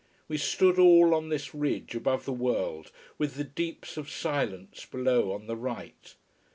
We stood all on this ridge above the world, with the deeps of silence below on the right.